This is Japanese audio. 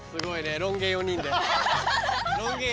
ロン毛４人。